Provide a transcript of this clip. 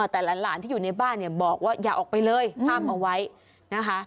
แต่หลานที่อยู่ในบ้านเนี่ยบอกว่าอย่าออกไปเลยห้ามเอาไว้นะคะ